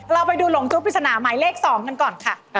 เราไปดูหลงทุกปริศนาหมายเลข๒กันก่อนค่ะ